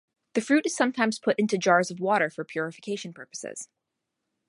The fruit is sometimes put into jars of water for purification purposes.